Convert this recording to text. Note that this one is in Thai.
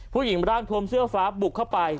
ผู้หญิงร่างทวมเสื้อฟ้าบุกเข้าไป